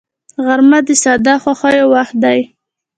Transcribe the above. غرمه د ساده خوښیو وخت دی